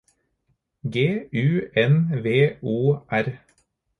G U N V O R